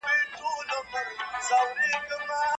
په یوه کلي کي له ښاره څخه لیري لیري